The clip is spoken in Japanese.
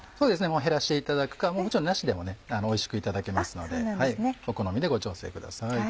減らしていただくかもちろんなしでもおいしくいただけますのでお好みでご調整ください。